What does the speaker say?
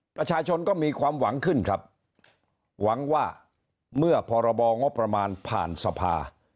ประชาชนก็มีความหวังขึ้นครับหวังว่าเมื่อพรบงบประมาณผ่านสภา